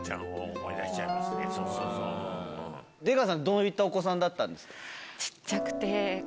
出川さんどういったお子さんだったんですか？